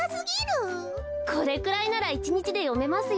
これくらいならいちにちでよめますよ。